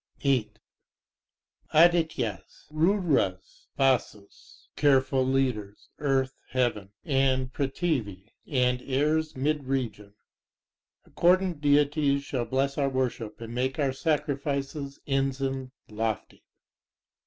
8 Ādityas, Rudras, Vasus, careful leaders, Earth, Heaven, and Prthivi and Air's mid region, Accordant Deities shall bless our worship and make our sacrifice's ensign lofty.